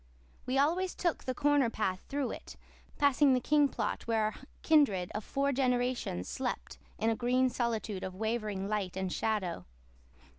We always took the corner path through it, passing the King plot where our kindred of four generations slept in a green solitude of wavering light and shadow.